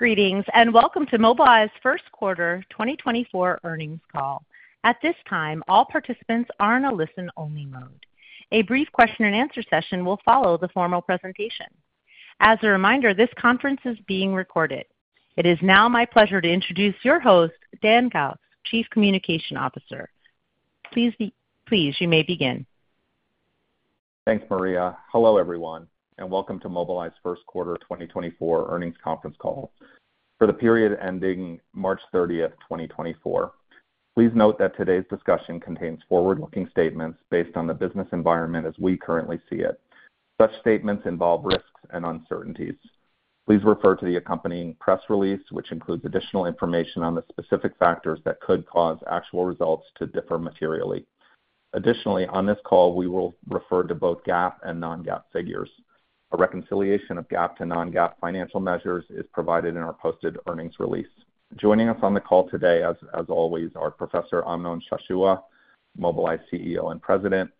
Greetings, and welcome to Mobileye's first quarter 2024 earnings call. At this time, all participants are in a listen-only mode. A brief question and answer session will follow the formal presentation. As a reminder, this conference is being recorded. It is now my pleasure to introduce your host, Dan Galves, Chief Communications Officer. Please, you may begin. Thanks, Maria. Hello, everyone, and welcome to Mobileye's first quarter 2024 earnings conference call for the period ending March 30th, 2024. Please note that today's discussion contains forward-looking statements based on the business environment as we currently see it. Such statements involve risks and uncertainties. Please refer to the accompanying press release, which includes additional information on the specific factors that could cause actual results to differ materially. Additionally, on this call, we will refer to both GAAP and non-GAAP figures. A reconciliation of GAAP to non-GAAP financial measures is provided in our posted earnings release. Joining us on the call today, as always, are Professor Amnon Shashua, Mobileye CEO and President,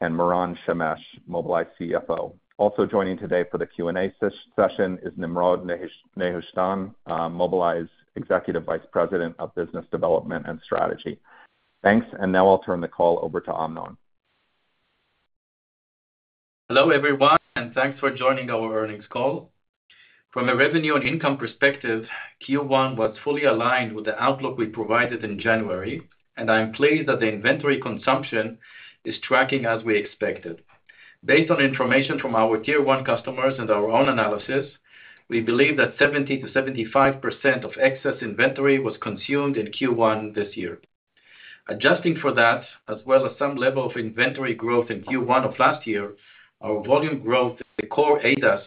and Moran Shemesh, Mobileye CFO. Also joining today for the Q&A session is Nimrod Nehushtan, Mobileye's Executive Vice President of Business Development and Strategy. Thanks, and now I'll turn the call over to Amnon. Hello, everyone, and thanks for joining our earnings call. From a revenue and income perspective, Q1 was fully aligned with the outlook we provided in January, and I'm pleased that the inventory consumption is tracking as we expected. Based on information from our Tier One customers and our own analysis, we believe that 70%-75% of excess inventory was consumed in Q1 this year. Adjusting for that, as well as some level of inventory growth in Q1 of last year, our volume growth in the core ADAS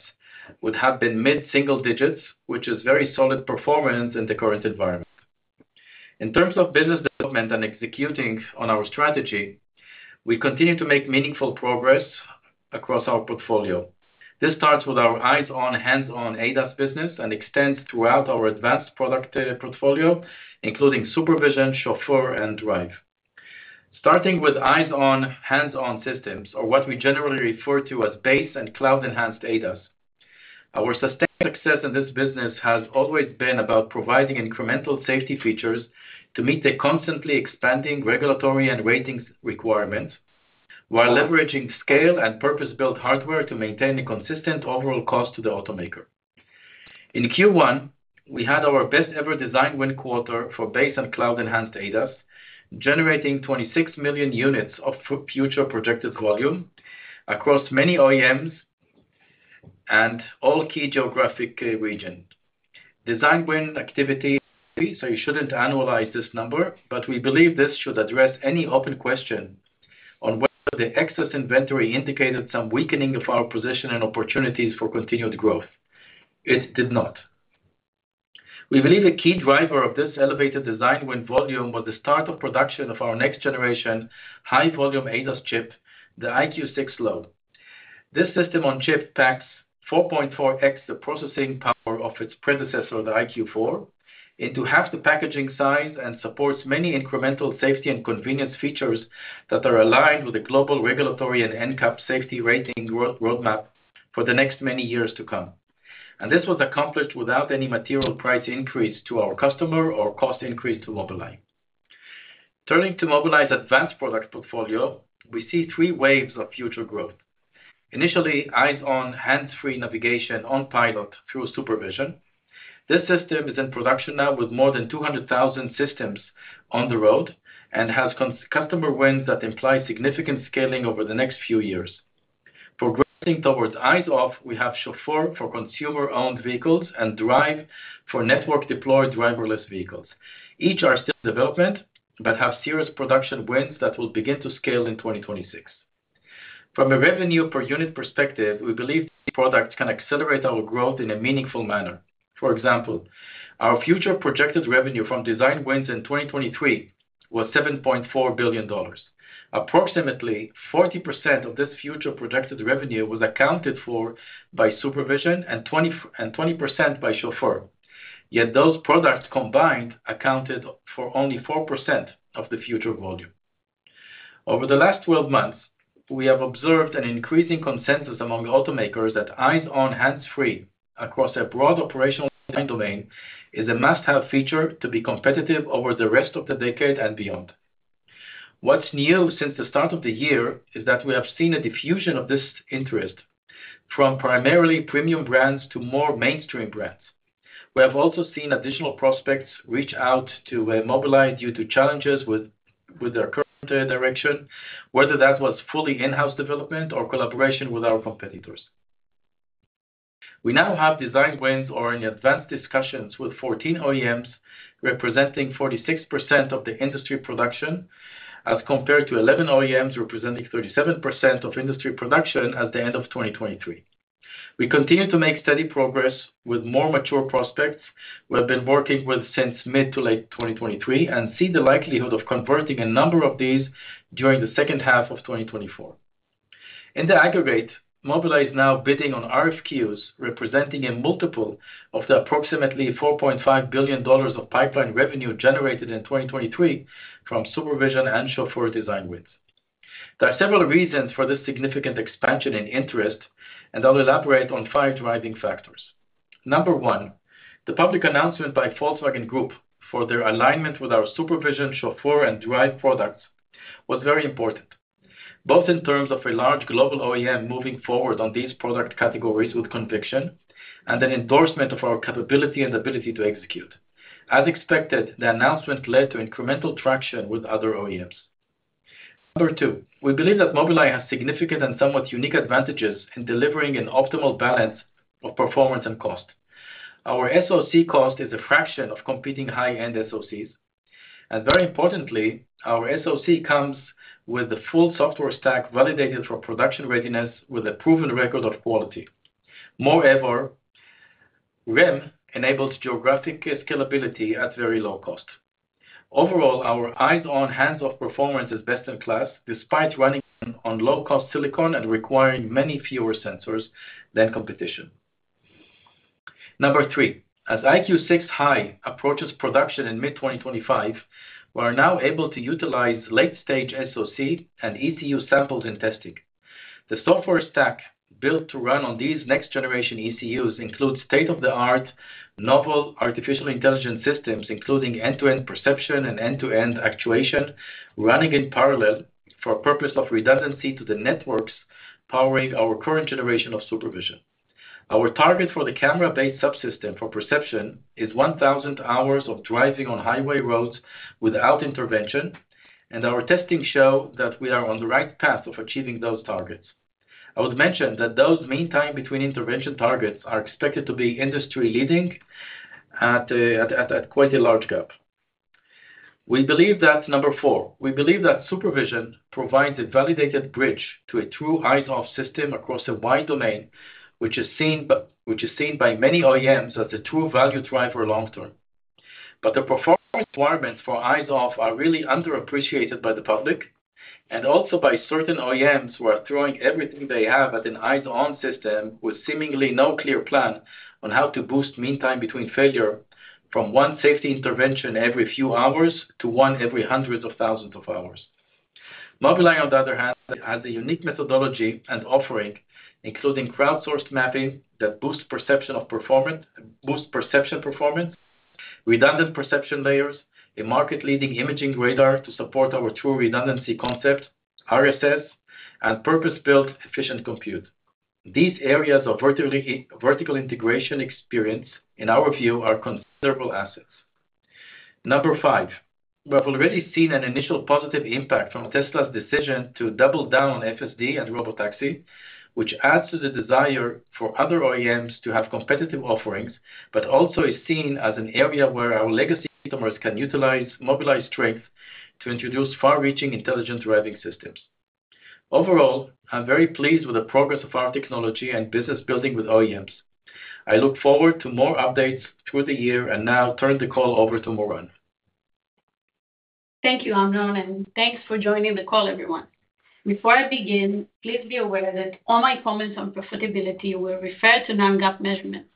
would have been mid-single digits, which is very solid performance in the current environment. In terms of business development and executing on our strategy, we continue to make meaningful progress across our portfolio. This starts with our eyes on, hands-on ADAS business and extends throughout our advanced product portfolio, including supervision, Chauffeur and Drive. Starting with eyes-on, hands-on systems, or what we generally refer to as base and cloud-enhanced ADAS. Our sustained success in this business has always been about providing incremental safety features to meet the constantly expanding regulatory and ratings requirements, while leveraging scale and purpose-built hardware to maintain a consistent overall cost to the automaker. In Q1, we had our best ever design win quarter for base and cloud-enhanced ADAS, generating 26 million units of future projected volume across many OEMs and all key geographic regions. Design win activity, so you shouldn't annualize this number, but we believe this should address any open question on whether the excess inventory indicated some weakening of our position and opportunities for continued growth. It did not. We believe a key driver of this elevated design win volume was the start of production of our next generation, high volume ADAS chip, the EyeQ6 Low. This system on chip packs 4.4x the processing power of its predecessor, the EyeQ4, into half the packaging size and supports many incremental safety and convenience features that are aligned with the global regulatory and NCAP safety rating world roadmap for the next many years to come. This was accomplished without any material price increase to our customer or cost increase to Mobileye. Turning to Mobileye's advanced product portfolio, we see three waves of future growth. Initially, eyes-on, hands-free navigation on pilot through supervision. This system is in production now with more than 200,000 systems on the road and has customer wins that imply significant scaling over the next few years. Progressing towards eyes-off, we have Chauffeur for consumer-owned vehicles and Drive for network-deployed driverless vehicles. Each are still in development, but have serious production wins that will begin to scale in 2026. From a revenue per unit perspective, we believe products can accelerate our growth in a meaningful manner. For example, our future projected revenue from design wins in 2023 was $7.4 billion. Approximately 40% of this future projected revenue was accounted for by Supervision, and 20% by Chauffeur, yet those products combined accounted for only 4% of the future volume. Over the last 12 months, we have observed an increasing consensus among automakers that eyes-on, hands-free across a broad operational domain is a must-have feature to be competitive over the rest of the decade and beyond. What's new since the start of the year is that we have seen a diffusion of this interest from primarily premium brands to more mainstream brands. We have also seen additional prospects reach out to Mobileye due to challenges with their current direction, whether that was fully in-house development or collaboration with our competitors. We now have design wins or in advanced discussions with 14 OEMs, representing 46% of the industry production, as compared to 11 OEMs, representing 37% of industry production at the end of 2023. We continue to make steady progress with more mature prospects we have been working with since mid- to late 2023, and see the likelihood of converting a number of these during the second half of 2024. In the aggregate, Mobileye is now bidding on RFQs, representing a multiple of the approximately $4.5 billion of pipeline revenue generated in 2023 from Supervision and Chauffeur design wins. There are several reasons for this significant expansion in interest, and I'll elaborate on five driving factors. Number one, the public announcement by Volkswagen Group for their alignment with our supervision, chauffeur, and drive products was very important, both in terms of a large global OEM moving forward on these product categories with conviction and an endorsement of our capability and ability to execute. As expected, the announcement led to incremental traction with other OEMs. Number two, we believe that Mobileye has significant and somewhat unique advantages in delivering an optimal balance of performance and cost. Our SoC cost is a fraction of competing high-end SoCs, and very importantly, our SoC comes with the full software stack validated for production readiness with a proven record of quality. Moreover, REM enables geographic scalability at very low cost. Overall, our eyes on, hands-off performance is best in class, despite running on low-cost silicon and requiring many fewer sensors than competition. Number three, as EyeQ6 High approaches production in mid-2025, we are now able to utilize late-stage SoC and ECU samples and testing. The software stack built to run on these next-generation ECUs includes state-of-the-art novel artificial intelligence systems, including end-to-end perception and end-to-end actuation, running in parallel for purpose of redundancy to the networks powering our current generation of supervision. Our target for the camera-based subsystem for perception is 1,000 hours of driving on highway roads without intervention, and our testing show that we are on the right path of achieving those targets. I would mention that those mean time between intervention targets are expected to be industry-leading at quite a large gap. We believe that, number four, we believe that supervision provides a validated bridge to a true eyes-off system across a wide domain, which is seen by, which is seen by many OEMs as a true value driver long term. But the performance requirements for eyes-off are really underappreciated by the public and also by certain OEMs who are throwing everything they have at an eyes-on system with seemingly no clear plan on how to boost mean time between failure from one safety intervention every few hours to one every hundreds of thousands of hours. Mobileye, on the other hand, has a unique methodology and offering, including crowdsourced mapping that boosts perception of performance, boosts perception performance, redundant perception layers, a market-leading imaging radar to support our true redundancy concept, RSS, and purpose-built, efficient compute. These areas of vertically, vertical integration experience, in our view, are considerable assets. Number five, we have already seen an initial positive impact from Tesla's decision to double down on FSD and robotaxi, which adds to the desire for other OEMs to have competitive offerings, but also is seen as an area where our legacy customers can utilize Mobileye's strength to introduce far-reaching intelligent driving systems. Overall, I'm very pleased with the progress of our technology and business building with OEMs. I look forward to more updates through the year, and now turn the call over to Moran. Thank you, Amnon, and thanks for joining the call, everyone. Before I begin, please be aware that all my comments on profitability will refer to non-GAAP measurements.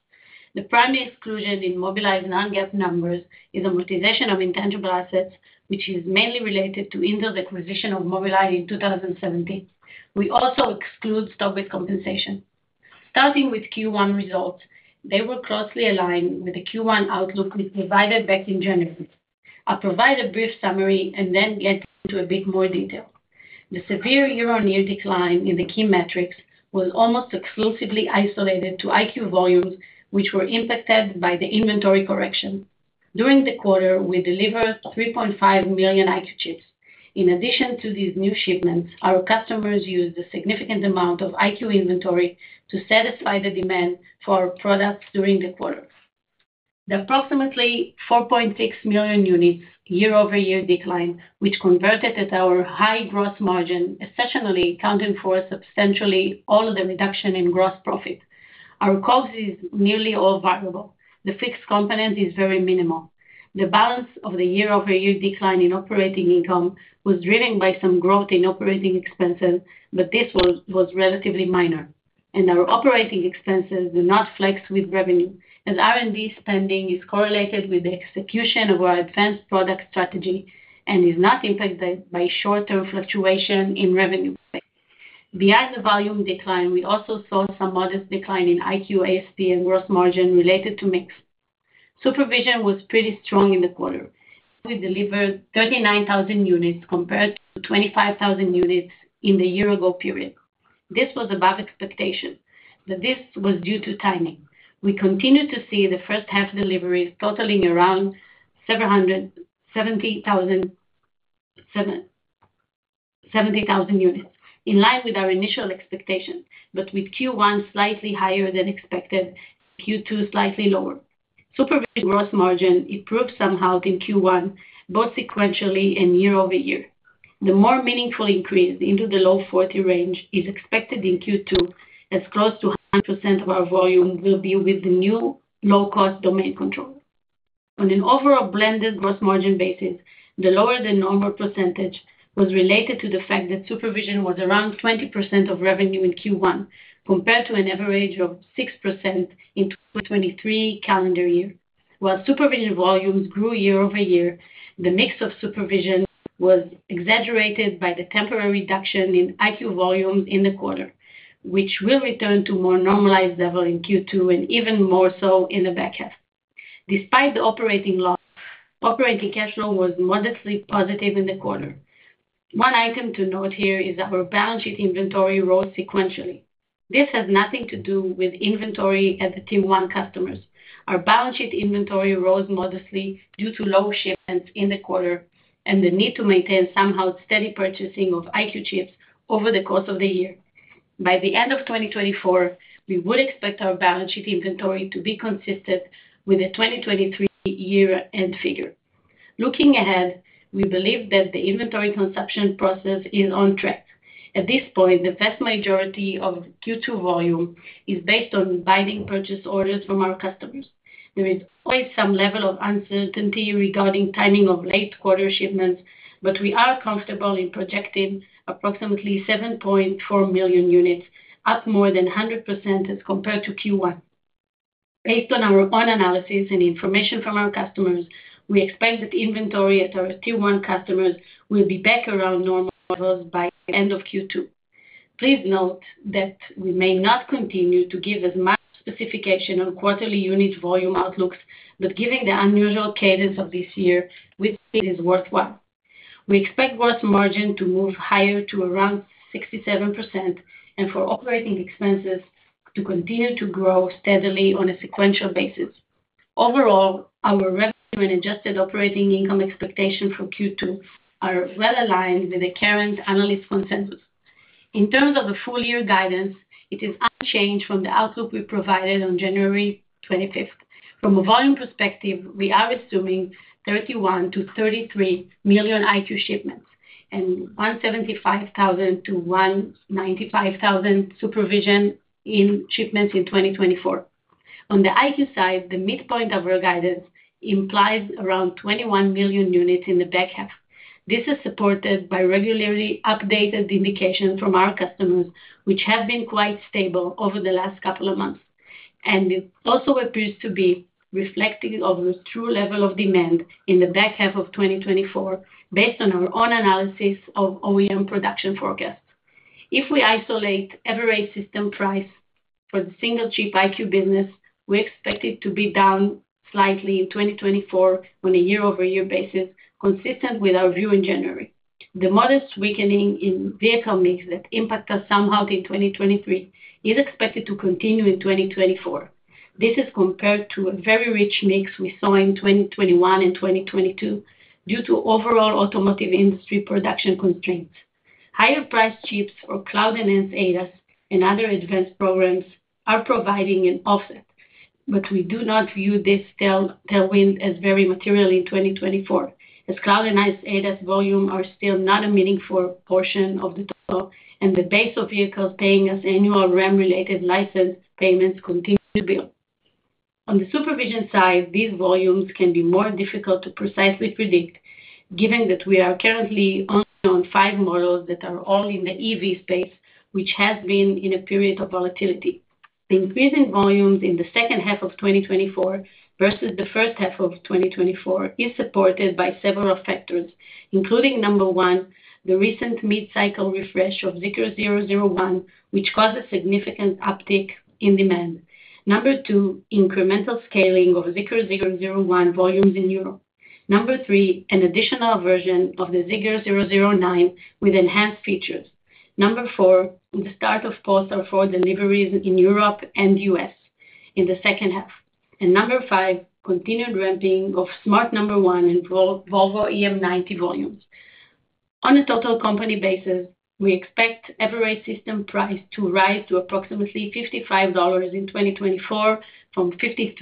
The primary exclusion in Mobileye's non-GAAP numbers is amortization of intangible assets, which is mainly related to Intel's acquisition of Mobileye in 2017. We also exclude stock-based compensation. Starting with Q1 results, they were closely aligned with the Q1 outlook we provided back in January. I'll provide a brief summary and then get into a bit more detail. The severe year-on-year decline in the key metrics was almost exclusively isolated to EyeQ volumes, which were impacted by the inventory correction. During the quarter, we delivered 3.5 million EyeQ chips. In addition to these new shipments, our customers used a significant amount of EyeQ inventory to satisfy the demand for our products during the quarter. The approximately 4.6 million units year-over-year decline, which converted at our high gross margin, essentially accounting for substantially all of the reduction in gross profit. Our cost is nearly all variable. The fixed component is very minimal. The balance of the year-over-year decline in operating income was driven by some growth in operating expenses, but this was relatively minor and our operating expenses do not flex with revenue, as R&D spending is correlated with the execution of our advanced product strategy and is not impacted by short-term fluctuation in revenue. Beyond the volume decline, we also saw some modest decline in EyeQ ASP and gross margin related to mix. Supervision was pretty strong in the quarter. We delivered 39,000 units compared to 25,000 units in the year ago period. This was above expectation, but this was due to timing. We continue to see the first half deliveries totaling around 770,000, 770 thousand units, in line with our initial expectations, but with Q1 slightly higher than expected, Q2 slightly lower. Supervision gross margin improved somewhat in Q1, both sequentially and year-over-year. The more meaningful increase into the low 40 range is expected in Q2, as close to 100% of our volume will be with the new low-cost domain controller. On an overall blended gross margin basis, the lower than normal percentage was related to the fact that supervision was around 20% of revenue in Q1, compared to an average of 6% in 2023 calendar year. While supervision volumes grew year-over-year, the mix of supervision was exaggerated by the temporary reduction in EyeQ volumes in the quarter, which will return to more normalized level in Q2 and even more so in the back half. Despite the operating loss, operating cash flow was modestly positive in the quarter. One item to note here is that our balance sheet inventory rose sequentially. This has nothing to do with inventory at the Tier One customers. Our balance sheet inventory rose modestly due to low shipments in the quarter and the need to maintain somehow steady purchasing of EyeQ chips over the course of the year. By the end of 2024, we would expect our balance sheet inventory to be consistent with the 2023 year-end figure. Looking ahead, we believe that the inventory consumption process is on track. At this point, the vast majority of Q2 volume is based on binding purchase orders from our customers. There is always some level of uncertainty regarding timing of late quarter shipments, but we are comfortable in projecting approximately 7.4 million units, up more than 100% as compared to Q1. Based on our own analysis and information from our customers, we expect that inventory at our Tier One customers will be back around normal levels by the end of Q2. Please note that we may not continue to give as much specification on quarterly unit volume outlooks, but given the unusual cadence of this year, we think it is worthwhile. We expect gross margin to move higher to around 67% and for operating expenses to continue to grow steadily on a sequential basis. Overall, our revenue and adjusted operating income expectation for Q2 are well aligned with the current analyst consensus. In terms of the full-year guidance, it is unchanged from the outlook we provided on January 25. From a volume perspective, we are assuming 31-33 million EyeQ shipments and 175,000-195,000 supervision shipments in 2024. On the EyeQ side, the midpoint of our guidance implies around 21 million units in the back half. This is supported by regularly updated indications from our customers, which have been quite stable over the last couple of months, and it also appears to be reflecting of the true level of demand in the back half of 2024, based on our own analysis of OEM production forecasts. If we isolate average system price for the single chip EyeQ business, we expect it to be down slightly in 2024 on a year-over-year basis, consistent with our view in January. The modest weakening in vehicle mix that impacted somewhat in 2023 is expected to continue in 2024. This is compared to a very rich mix we saw in 2021 and 2022 due to overall automotive industry production constraints. Higher priced chips or cloud-enhanced ADAS and other advanced programs are providing an offset, but we do not view this tailwind as very material in 2024, as cloud-enhanced ADAS volume are still not a meaningful portion of the total, and the base of vehicles paying us annual RAM-related license payments continue to build. On the supervision side, these volumes can be more difficult to precisely predict, given that we are currently only on five models that are all in the EV space, which has been in a period of volatility. The increase in volumes in the second half of 2024 versus the first half of 2024 is supported by several factors, including, number one, the recent mid-cycle refresh of Zeekr 001, which caused a significant uptick in demand. Number two, incremental scaling of Zeekr 001 volumes in Europe. Number three, an additional version of the Zeekr 009 with enhanced features. Number four, the start of Polestar 4 deliveries in Europe and US in the second half. And number five, continued ramping of Smart #1 and Volvo EM90 volumes. On a total company basis, we expect average system price to rise to approximately $55 in 2024 from $53 in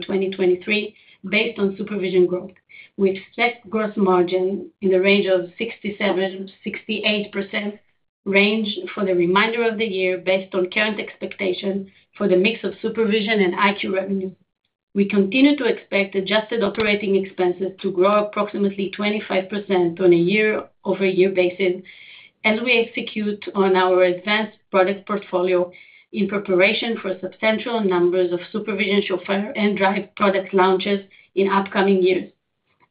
2023, based on supervision growth. We expect gross margin in the range of 67%-68% range for the remainder of the year, based on current expectations for the mix of supervision and EyeQ revenue. We continue to expect adjusted operating expenses to grow approximately 25% on a year-over-year basis as we execute on our advanced product portfolio in preparation for substantial numbers of supervision, Chauffeur and Drive product launches in upcoming years.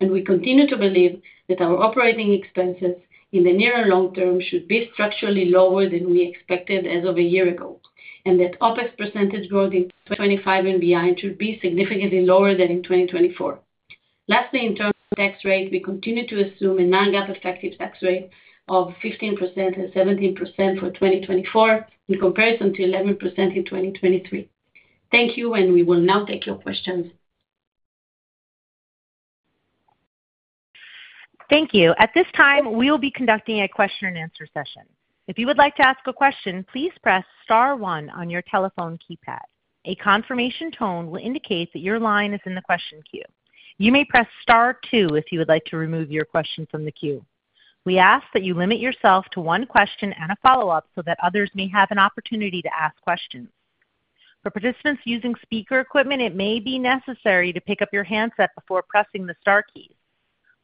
We continue to believe that our operating expenses in the near and long term should be structurally lower than we expected as of a year ago, and that OpEx percentage growth in 2025 and beyond should be significantly lower than in 2024. Lastly, in terms of tax rate, we continue to assume a non-GAAP effective tax rate of 15%-17% for 2024, in comparison to 11% in 2023. Thank you, and we will now take your questions. Thank you. At this time, we will be conducting a question and answer session. If you would like to ask a question, please press star one on your telephone keypad. A confirmation tone will indicate that your line is in the question queue. You may press star two if you would like to remove your question from the queue. We ask that you limit yourself to one question and a follow-up so that others may have an opportunity to ask questions. For participants using speaker equipment, it may be necessary to pick up your handset before pressing the star keys.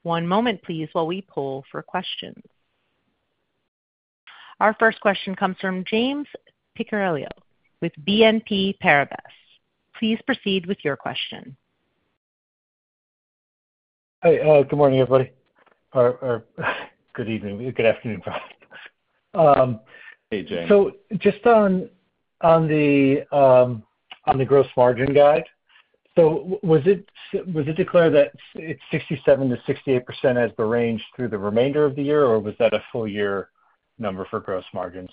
One moment, please, while we poll for questions. Our first question comes from James Picariello with BNP Paribas. Please proceed with your question. Hi, good morning, everybody. Or good evening, good afternoon, probably. Hey, James. So just on the gross margin guide, so was it declared that it's 67%-68% as the range through the remainder of the year, or was that a full-year number for gross margins?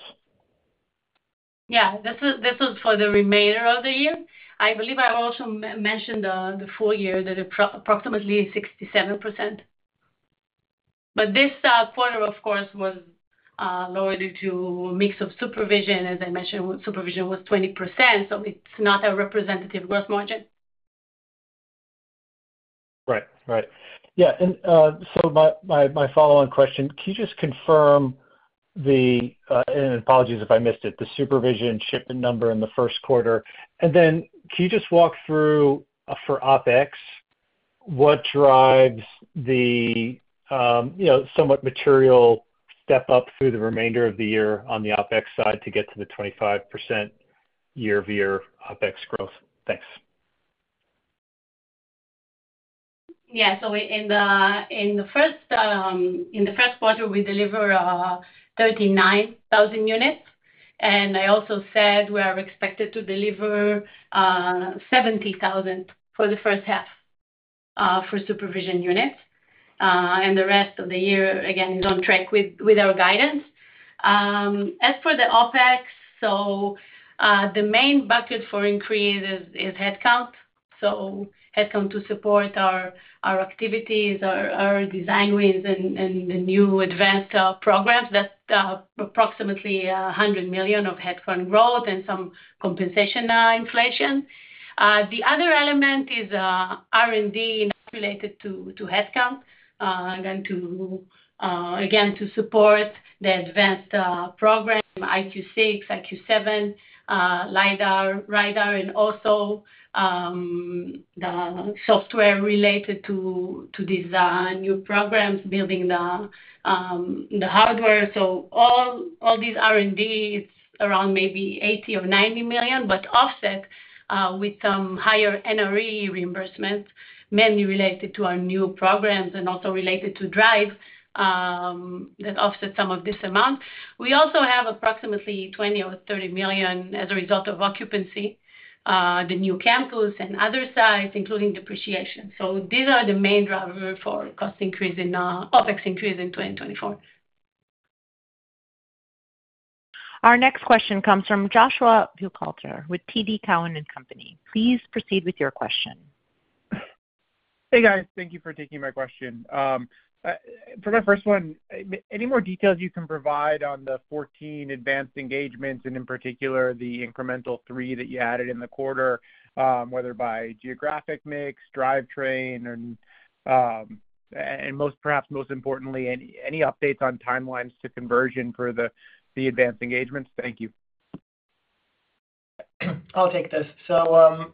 Yeah, this is for the remainder of the year. I believe I also mentioned the full-year, that approximately 67%. But this quarter, of course, was lower due to mix of supervision. As I mentioned, supervision was 20%, so it's not a representative growth margin. Right. Right. Yeah, and, so my follow-on question, can you just confirm the, and apologies if I missed it, the supervision shipment number in the first quarter, and then can you just walk through, for OpEx, what drives the, you know, somewhat material step up through the remainder of the year on the OpEx side to get to the 25% year-over-year OpEx growth? Thanks. Yeah. So we, in the first quarter, we deliver 39,000 units, and I also said we are expected to deliver 70,000 for the first half for supervision units. And the rest of the year, again, is on track with our guidance. As for the OpEx, the main bucket for increase is headcount, so headcount to support our activities, our design wins and the new advanced programs. That's approximately $100 million of headcount growth and some compensation inflation. The other element is R&D related to headcount, and then to again support the advanced program, EyeQ6, EyeQ7, LIDAR, radar, and also the software related to these new programs, building the hardware. So all, all these R&D, it's around maybe $80 million-$90 million, but offset with some higher NRE reimbursement, mainly related to our new programs and also related to drive, that offset some of this amount. We also have approximately $20 million-$30 million as a result of occupancy, the new campus and other sites, including depreciation. So these are the main driver for cost increase in OpEx increase in 2024. Our next question comes from Joshua Buchalter with TD Cowen & Company. Please proceed with your question. Hey, guys. Thank you for taking my question. For my first one, any more details you can provide on the 14 advanced engagements, and in particular, the incremental three that you added in the quarter, whether by geographic mix, drivetrain, and, and most perhaps most importantly, any updates on timelines to conversion for the advanced engagements? Thank you. I'll take this. So,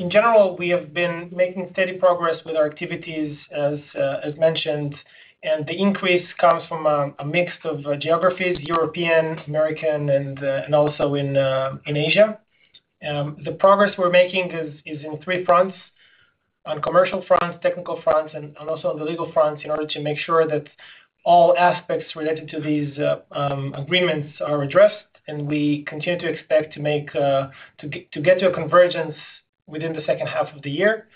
in general, we have been making steady progress with our activities, as mentioned, and the increase comes from a mix of geographies, European, American, and also in Asia. The progress we're making is in three fronts, on commercial fronts, technical fronts, and also on the legal fronts, in order to make sure that all aspects related to these agreements are addressed. And we continue to expect to make to get to a convergence within the second half of the year.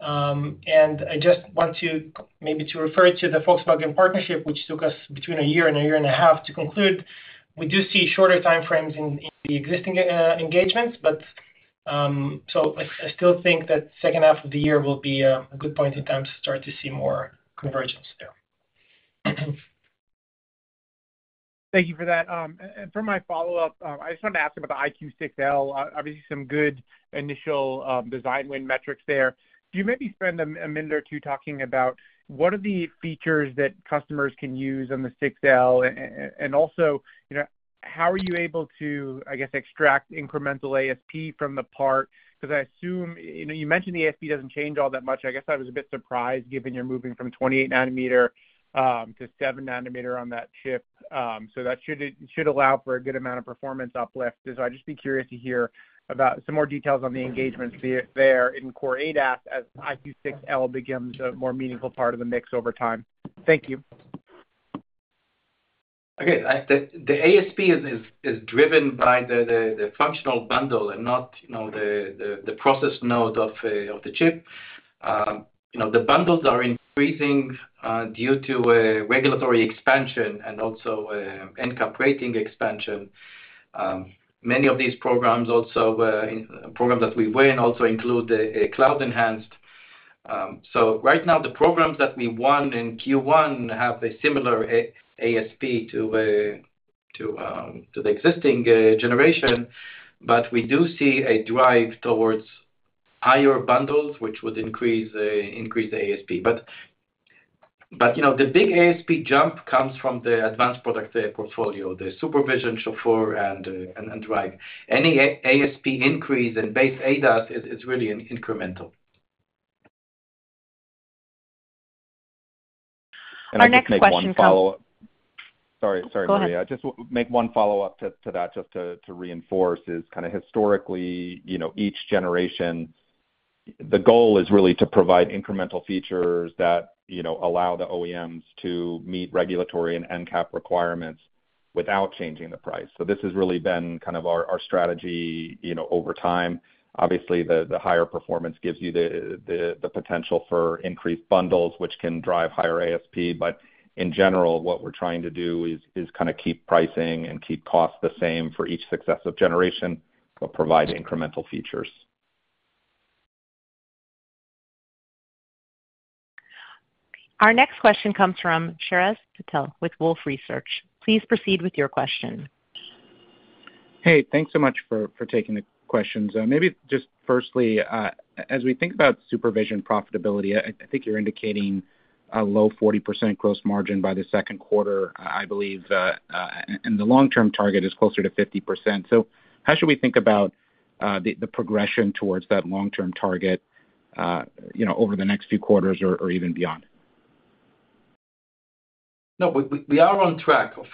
And I just want to maybe to refer to the Volkswagen partnership, which took us between a year and a year and a half to conclude. We do see shorter time frames in the existing engagements, but so I still think that second half of the year will be a good point in time to start to see more convergence there. Thank you for that. And for my follow-up, I just wanted to ask about the EyeQ6L. Obviously some good initial design win metrics there. Can you maybe spend a minute or two talking about what are the features that customers can use on the EyeQ6L, and also, you know, how are you able to, I guess, extract incremental ASP from the part? Because I assume... You know, you mentioned the ASP doesn't change all that much. I guess I was a bit surprised, given you're moving from 28 nanometer to seven nanometer on that chip. So that should it should allow for a good amount of performance uplift. So I'd just be curious to hear about some more details on the engagements there in core ADAS as EyeQ6L becomes a more meaningful part of the mix over time. Thank you. Okay. The ASP is driven by the functional bundle and not, you know, the process node of the chip. You know, the bundles are increasing due to a regulatory expansion and also NCAP rating expansion. Many of these programs also programs that we win also include a cloud-enhanced. So right now, the programs that we won in Q1 have a similar ASP to the existing generation, but we do see a drive towards higher bundles, which would increase the ASP. But you know, the big ASP jump comes from the advanced product portfolio, the supervision, Chauffeur, and Drive. Any ASP increase in base ADAS is really an incremental. Our next question comes I can make one follow-up. Sorry, sorry, Maria. I just want to make one follow-up to that just to reinforce. It's kind of historically, you know, each generation, the goal is really to provide incremental features that, you know, allow the OEMs to meet regulatory and NCAP requirements without changing the price. So this has really been kind of our strategy, you know, over time. Obviously, the higher performance gives you the potential for increased bundles, which can drive higher ASP. But in general, what we're trying to do is kind of keep pricing and keep costs the same for each successive generation, but provide incremental features. Our next question comes from Shreyas Patil with Wolfe Research. Please proceed with your question. Hey, thanks so much for taking the questions. Maybe just firstly, as we think about supervision profitability, I think you're indicating a low 40% gross margin by the second quarter, I believe, and the long-term target is closer to 50%. So how should we think about the progression towards that long-term target, you know, over the next few quarters or even beyond? No, we are on track of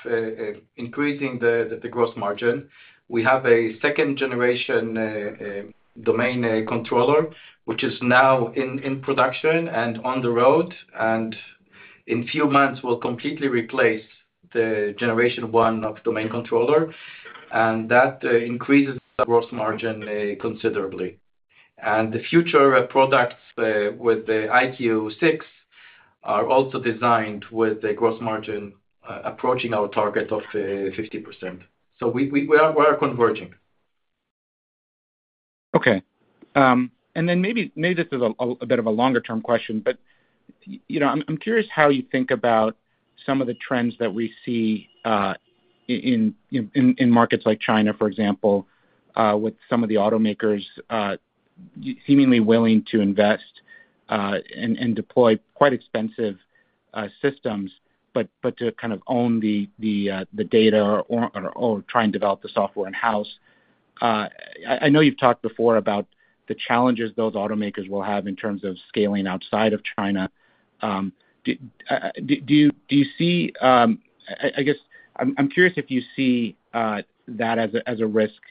increasing the gross margin. We have a second generation domain controller, which is now in production and on the road, and in few months will completely replace the generation one of domain controller, and that increases the gross margin considerably. And the future products with the EyeQ6 are also designed with a gross margin approaching our target of 50%. So we are converging. Okay. And then maybe this is a bit of a longer term question, but you know, I'm curious how you think about some of the trends that we see in markets like China, for example, with some of the automakers seemingly willing to invest and deploy quite expensive systems, but to kind of own the data or try and develop the software in-house. I know you've talked before about the challenges those automakers will have in terms of scaling outside of China. Do you see, I guess I'm curious if you see that as a risk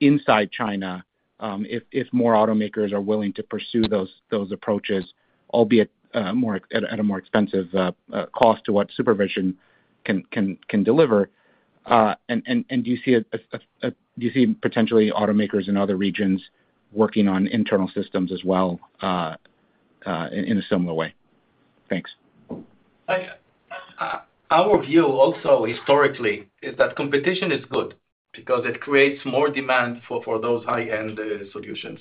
inside China, if more automakers are willing to pursue those approaches, albeit at a more expensive cost to what supervision can deliver? And do you see potentially automakers in other regions working on internal systems as well in a similar way? Thanks. Our view also historically is that competition is good because it creates more demand for those high-end solutions.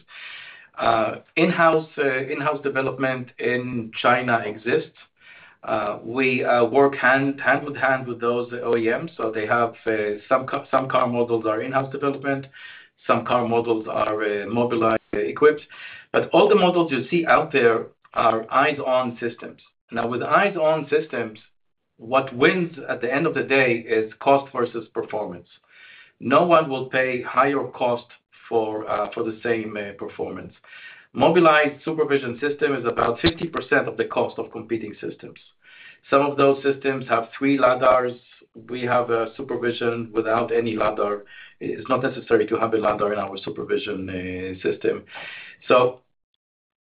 In-house development in China exists. We work hand in hand with those OEMs, so they have some car models are in-house development, some car models are Mobileye equipped, but all the models you see out there are eyes-on systems. Now, with eyes-on systems, what wins at the end of the day is cost versus performance. No one will pay higher cost for the same performance. Mobileye SuperVision system is about 50% of the cost of competing systems. Some of those systems have three lidars. We have a SuperVision without any lidar. It's not necessary to have a lidar in our SuperVision system. So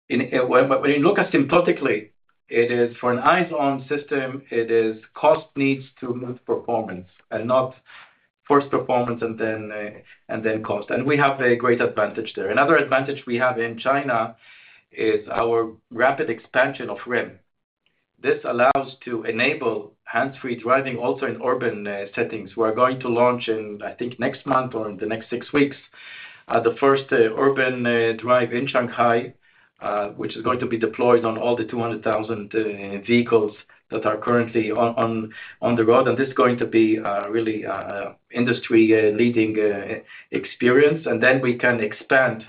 when you look at systematically, it is for an eyes-on system, it is cost needs to move performance and not first performance and then cost. And we have a great advantage there. Another advantage we have in China is our rapid expansion of REM. This allows to enable hands-free driving also in urban settings. We're going to launch in, I think, next month or in the next six weeks the first urban drive in Shanghai, which is going to be deployed on all the 200,000 vehicles that are currently on the road. And this is going to be really industry leading experience. And then we can expand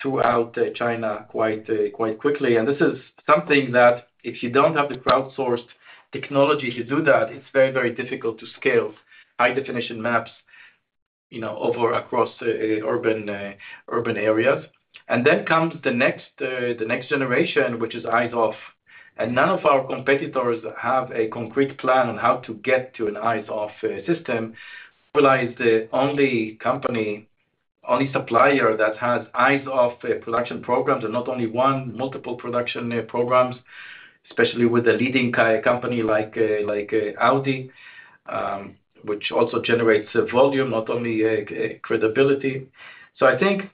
throughout China quite quickly. This is something that if you don't have the crowdsourced technology to do that, it's very, very difficult to scale high definition maps, you know, over across urban, urban areas. Then comes the next, the next generation, which is eyes-off, and none of our competitors have a concrete plan on how to get to an eyes-off, system. Mobileye the only company, only supplier that has eyes-off, production programs, and not only one, multiple production, programs, especially with a leading car company like Audi, which also generates a volume, not only credibility. I think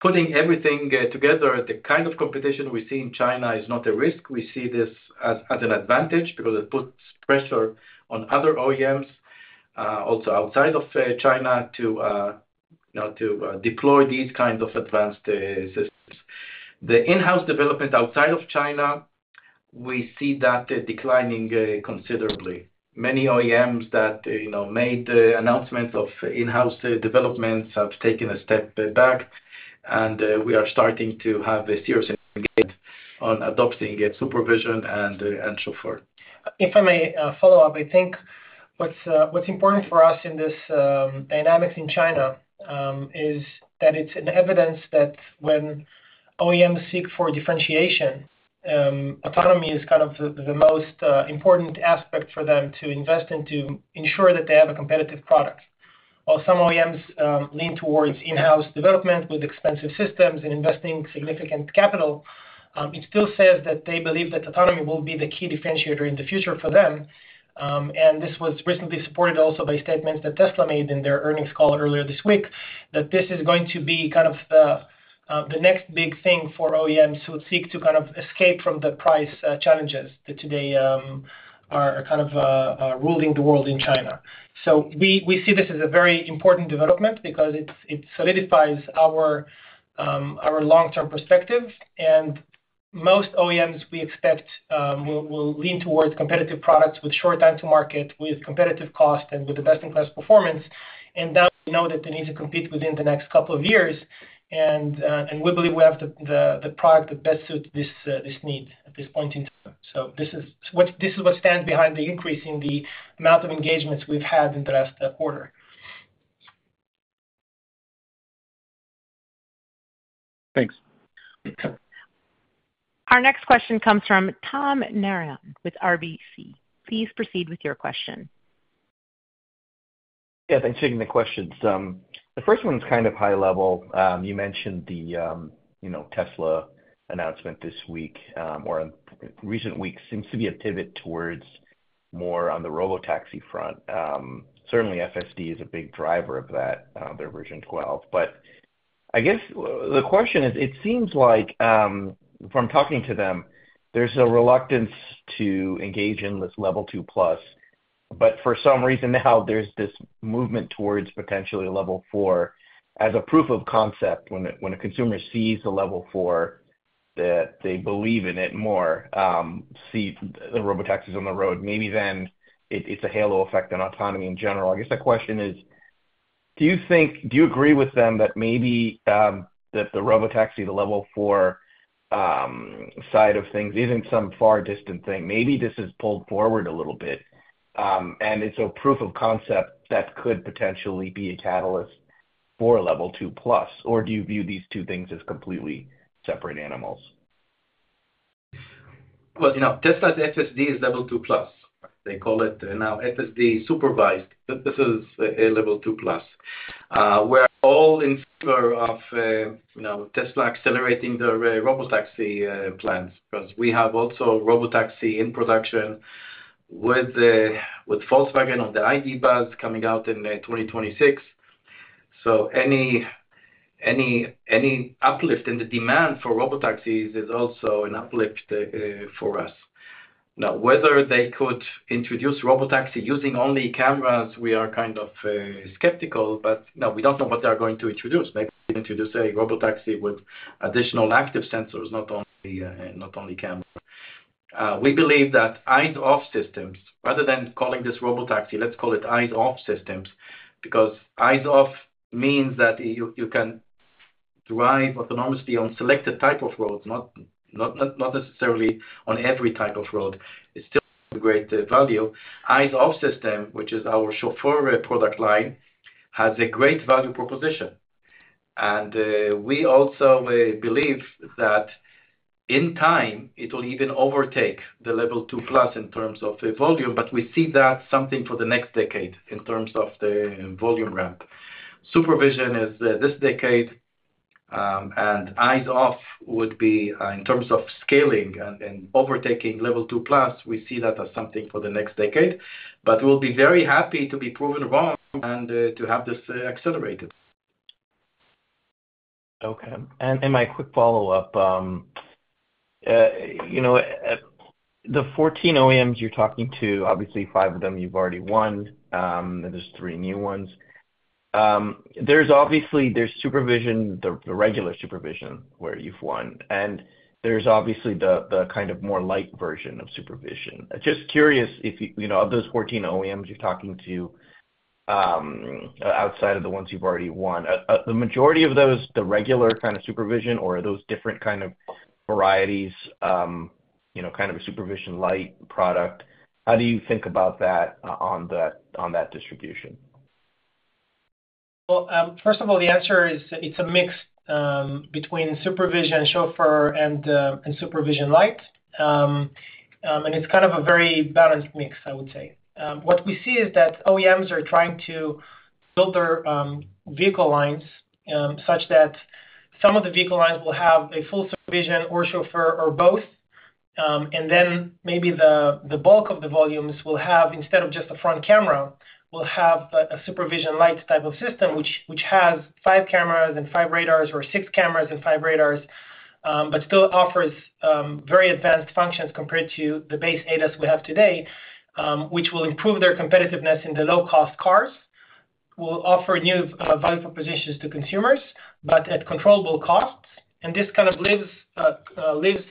putting everything together, the kind of competition we see in China is not a risk. We see this as an advantage because it puts pressure on other OEMs also outside of China to, you know, deploy these kind of advanced systems. The in-house development outside of China, we see that declining considerably. Many OEMs that, you know, made announcements of in-house developments have taken a step back, and we are starting to have a serious engagement on adopting its supervision and so forth. If I may, follow up, I think, What's, what's important for us in this dynamics in China, is that it's an evidence that when OEMs seek for differentiation, autonomy is kind of the most important aspect for them to invest in, to ensure that they have a competitive product. While some OEMs lean towards in-house development with expensive systems and investing significant capital, it still says that they believe that autonomy will be the key differentiator in the future for them. And this was recently supported also by statements that Tesla made in their earnings call earlier this week, that this is going to be kind of the next big thing for OEMs who seek to kind of escape from the price challenges that today are kind of ruling the world in China. So we, we see this as a very important development because it, it solidifies our, our long-term perspective. And most OEMs, we expect, will, will lean towards competitive products with short time to market, with competitive cost, and with the best-in-class performance. And now we know that they need to compete within the next couple of years, and, and we believe we have the, the, the product that best suit this, this need at this point in time. So this is what, this is what stands behind the increase in the amount of engagements we've had in the last, quarter. Thanks. Our next question comes from Tom Narayan with RBC. Please proceed with your question. Yeah, thanks for taking the questions. The first one is kind of high level. You mentioned the, you know, Tesla announcement this week, or recent weeks, seems to be a pivot towards more on the robotaxi front. Certainly, FSD is a big driver of that, their version 12. But I guess the question is, it seems like, from talking to them, there's a reluctance to engage in this Level 2+, but for some reason, now there's this movement towards potentially a Level 4 as a proof of concept, when a consumer sees a Level 4, that they believe in it more, see the robotaxis on the road, maybe then it's a halo effect on autonomy in general. I guess the question is, do you think, do you agree with them that maybe that the robotaxi, the Level 4 side of things, isn't some far distant thing? Maybe this is pulled forward a little bit, and it's a proof of concept that could potentially be a catalyst for a Level 2+, or do you view these two things as completely separate animals? Well, you know, Tesla's FSD is Level 2+. They call it now FSD supervised, but this is a Level 2+. We're all in favor of, you know, Tesla accelerating their robotaxi plans, because we have also robotaxi in production with Volkswagen on the ID.Buzz coming out in 2026. So any uplift in the demand for robotaxis is also an uplift for us. Now, whether they could introduce robotaxi using only cameras, we are kind of skeptical, but, no, we don't know what they are going to introduce. They introduce a robotaxi with additional active sensors, not only camera. We believe that eyes-off systems, rather than calling this robotaxi, let's call it eyes-off systems, because eyes off means that you can drive autonomously on selected type of roads, not necessarily on every type of road. It's still a great value. Eyes-off system, which is our Chauffeur product line, has a great value proposition. We also believe that in time, it will even overtake the Level 2+ in terms of the volume, but we see that something for the next decade in terms of the volume ramp. Supervision is this decade, and eyes off would be, in terms of scaling and overtaking Level 2+, we see that as something for the next decade, but we'll be very happy to be proven wrong and to have this accelerated. Okay. And my quick follow-up, you know, the 14 OEMs you're talking to, obviously five of them you've already won, and there's three new ones. There's obviously supervision, the regular supervision where you've won, and there's obviously the kind of more light version of supervision. Just curious if you know, of those 14 OEMs you're talking to, outside of the ones you've already won, the majority of those, the regular kind of supervision, or are those different kind of varieties, you know, kind of a supervision light product, how do you think about that, on that distribution? Well, first of all, the answer is it's a mix between supervision, chauffeur, and supervision light. It's kind of a very balanced mix, I would say. What we see is that OEMs are trying to build their vehicle lines such that some of the vehicle lines will have a full supervision or chauffeur or both. Then maybe the bulk of the volumes will have, instead of just a front camera, will have a supervision light type of system, which has five cameras and five radars or six cameras and five radars, but still offers very advanced functions compared to the base ADAS we have today, which will improve their competitiveness in the low-cost cars, will offer new value propositions to consumers, but at controllable costs. This kind of lives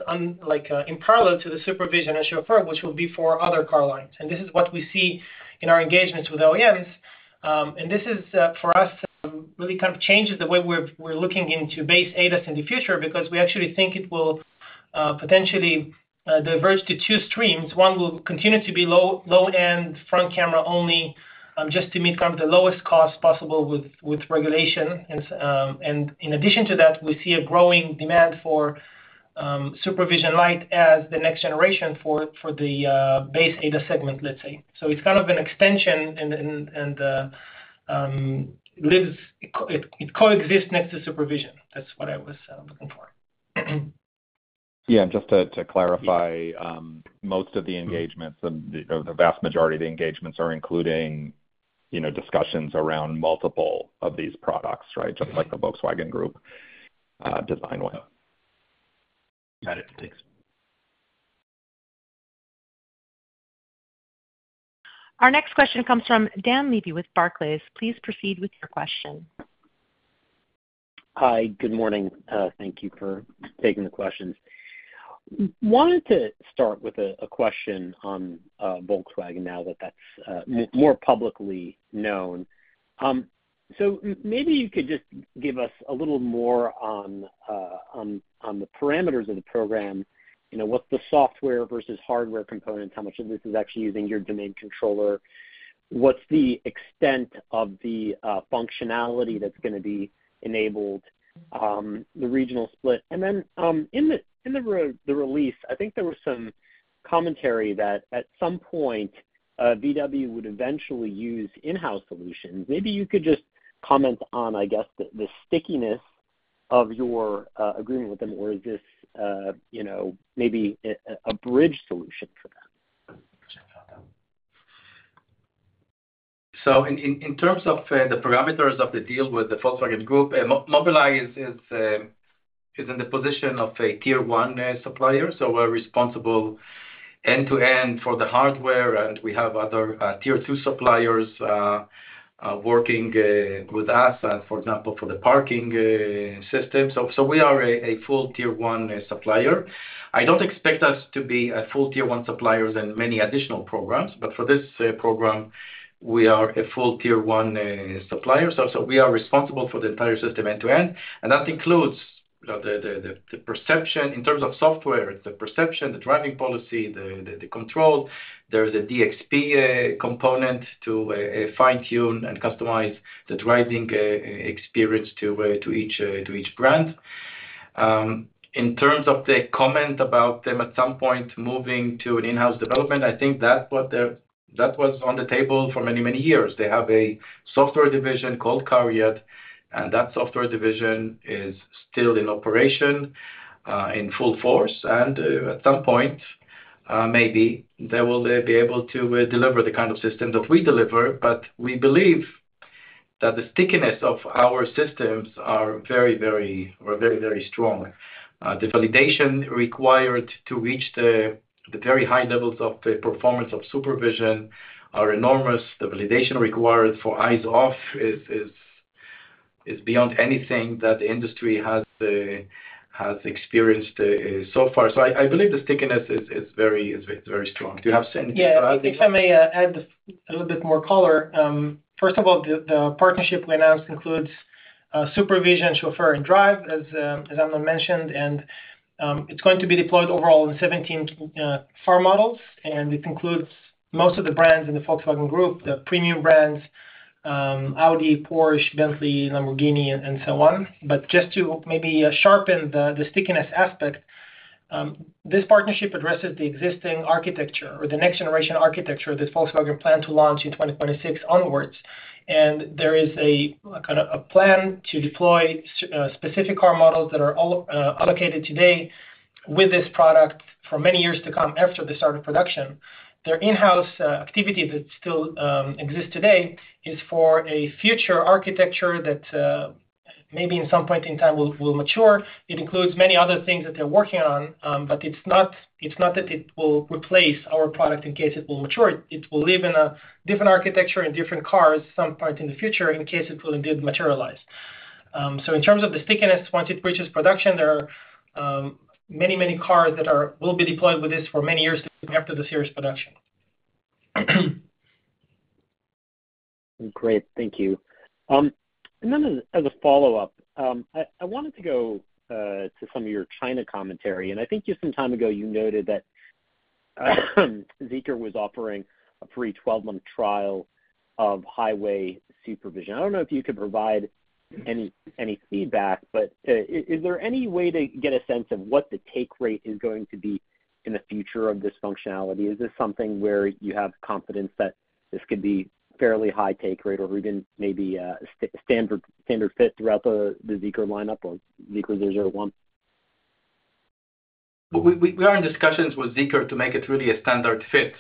on, like, in parallel to the supervision and chauffeur, which will be for other car lines. This is what we see in our engagements with OEMs. This is, for us, really kind of changes the way we're looking into base ADAS in the future, because we actually think it will potentially diverge to two streams. One will continue to be low-end, front camera only, just to meet kind of the lowest cost possible with regulation. In addition to that, we see a growing demand for supervision light as the next generation for the base ADAS segment, let's say. So it's kind of an extension and it lives, it coexists next to supervision. That's what I was looking for. Yeah, and just to clarify, most of the engagements, the vast majority of the engagements are including, you know, discussions around multiple of these products, right? Just like the Volkswagen Group design win. Got it. Thanks. Our next question comes from Dan Levy with Barclays. Please proceed with your question. Hi, good morning. Thank you for taking the questions. Wanted to start with a question on Volkswagen, now that that's more publicly known. So maybe you could just give us a little more on the parameters of the program. You know, what's the software versus hardware components? How much of this is actually using your domain controller? What's the extent of the functionality that's gonna be enabled, the regional split? And then, in the release, I think there was some commentary that at some point VW would eventually use in-house solutions. Maybe you could just comment on, I guess, the stickiness of your agreement with them, or is this, you know, maybe a bridge solution for them? So in terms of the parameters of the deal with the Volkswagen Group, Mobileye is in the position of a Tier One supplier, so we're responsible end-to-end for the hardware, and we have other Tier Two suppliers working with us, and for example, for the parking system. So we are a full Tier One supplier. I don't expect us to be full Tier One suppliers in many additional programs, but for this program, we are a full Tier One supplier. So we are responsible for the entire system end-to-end, and that includes the perception in terms of software, the perception, the driving policy, the control. There's a DXP component to fine-tune and customize the driving experience to each brand. In terms of the comment about them at some point moving to an in-house development, I think that was on the table for many, many years. They have a software division called CARIAD, and that software division is still in operation in full force. At some point, maybe they will be able to deliver the kind of system that we deliver, but we believe that the stickiness of our systems are very, very strong. The validation required to reach the very high levels of the performance of supervision are enormous. The validation required for eyes-off is beyond anything that the industry has experienced so far. So I believe the stickiness is very strong. Do you have anything to add? Yeah, if I may add a little bit more color. First of all, the partnership we announced includes supervision, chauffeur, and drive, as Amnon mentioned, and it's going to be deployed overall in 17 car models, and it includes most of the brands in the Volkswagen Group, the premium brands, Audi, Porsche, Bentley, Lamborghini, and so on. But just to maybe sharpen the stickiness aspect, this partnership addresses the existing architecture or the next generation architecture that Volkswagen plan to launch in 2026 onwards. And there is a kind of plan to deploy specific car models that are all allocated today with this product for many years to come after the start of production. Their in-house activity that still exists today is for a future architecture that maybe in some point in time will mature. It includes many other things that they're working on, but it's not, it's not that it will replace our product in case it will mature. It will live in a different architecture, in different cars, some point in the future, in case it will indeed materialize. So in terms of the stickiness, once it reaches production, there are many, many cars that will be deployed with this for many years after the series production. Great. Thank you. And then as a follow-up, I wanted to go to some of your China commentary, and I think just some time ago, you noted that Zeekr was offering a free 12-month trial of highway supervision. I don't know if you could provide any feedback, but is there any way to get a sense of what the take rate is going to be in the future of this functionality? Is this something where you have confidence that this could be fairly high take rate or even maybe a standard fit throughout the Zeekr lineup or Zeekr 001? We are in discussions with Zeekr to make it really a standard fit,